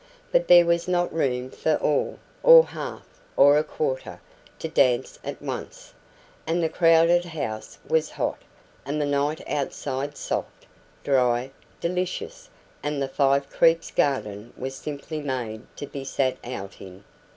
But there was not room for all, or half, or a quarter, to dance at once; and the crowded house was hot, and the night outside soft, dry, delicious; and the Five Creeks garden was simply made to be sat out in.